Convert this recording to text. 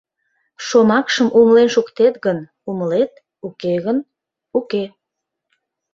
Шомакшым умылен шуктет гын, умылет, уке гын — уке.